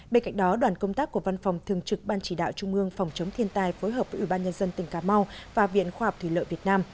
bên cạnh đó đoàn công tác của văn phòng thường trực ban chỉ đạo trung ương phòng chống thiên tai phối hợp với ủy ban nhân dân tỉnh cà mau và viện khoa học thủy lợi việt nam